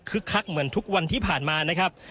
คักเหมือนทุกวันที่ผ่านมานะครับ